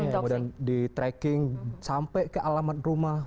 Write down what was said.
kemudian di tracking sampai ke alamat rumah